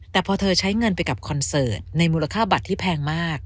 แต่พอเธอใช้เงินไปกับคอนเสิร์ตในมูลค่าบัตรที่แพงมาก